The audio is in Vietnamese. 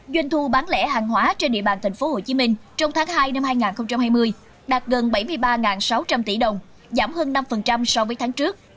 doanh thu bán lẻ hàng hóa trên địa bàn tp hcm trong tháng hai năm hai nghìn hai mươi đạt gần bảy mươi ba sáu trăm linh tỷ đồng giảm hơn năm so với tháng trước